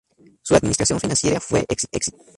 Su administración financiera fue exitosa.